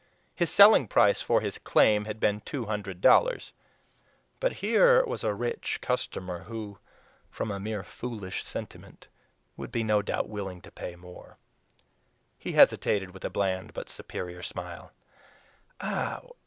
His selling price for his claim had been two hundred dollars, but here was a rich customer who, from a mere foolish sentiment, would be no doubt willing to pay more. He hesitated with a bland but superior smile.